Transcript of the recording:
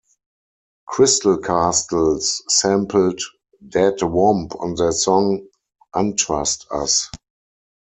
Crystal Castles sampled Dead Womb on their song "Untrust Us".